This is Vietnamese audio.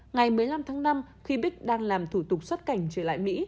ngày một mươi năm tháng năm khi bích đang làm thủ tục xuất cảnh trở lại mỹ